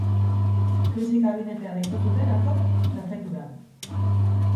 Krisi kabinetea deitu zuten atzo prefeturan.